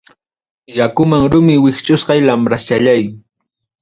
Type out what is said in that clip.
Yakuman rumi wischusqay lambraschallay.